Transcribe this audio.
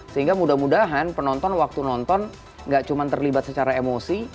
sehingga mudah mudahan penonton waktu nonton nggak cuma terlibat secara emosi